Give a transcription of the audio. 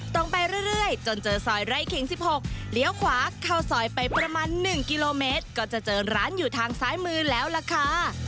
ตรงไปเรื่อยจนเจอซอยไร่ขิง๑๖เลี้ยวขวาเข้าซอยไปประมาณ๑กิโลเมตรก็จะเจอร้านอยู่ทางซ้ายมือแล้วล่ะค่ะ